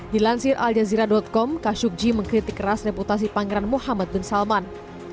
dilansir aljazira com khashoggi mengkritik keras reputasi pangeran muhammad bin salman